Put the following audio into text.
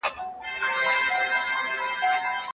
دوستي باید ناسم تعبیر نه سي.